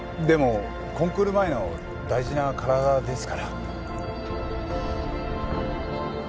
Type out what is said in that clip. でもコンクール前の大事な体ですから。